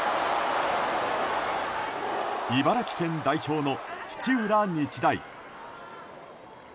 茨城県代表の土浦日大。